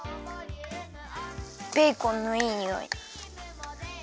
ベーコンのいいにおい。